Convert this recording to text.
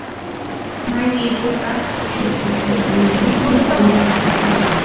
malli puka shukuyniyuqmi puriykan.